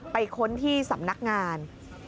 ค้นที่สำนักงาน